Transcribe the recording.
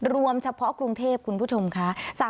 เฉพาะกรุงเทพคุณผู้ชมค่ะ